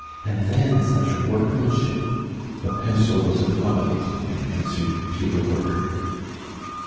And then such workmanship! The pencil was accommodating and answered to the word.